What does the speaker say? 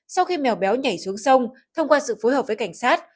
sau khi mèo béo nhảy xuống sông thông qua sự phối hợp với cảnh sát